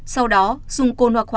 sau đó dùng côn hoặc hóa chất quả